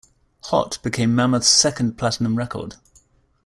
"Hot" became Mammoth's second platinum record.